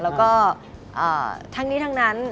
แล้วก็ทั้งนี้ทั้งนั้น